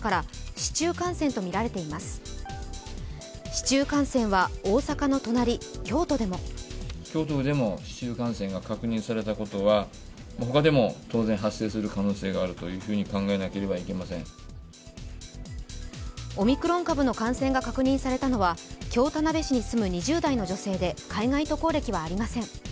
市中感染は大阪の隣、京都でもオミクロン株の感染が確認されたのは京田辺市に住む２０代の女性で海外渡航歴はありません。